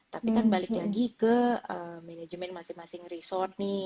tapi kan balik lagi ke manajemen masing masing resort nih